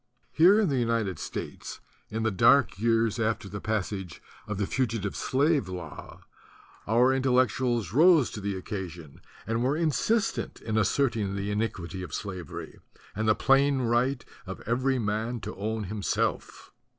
Here in the United States in the dark years after the passage of the Fugitive Slave Law, our Intellectuals rose to the occasion and were in :t in asserting the iniquity of slavery and the plain right of every man to own himself.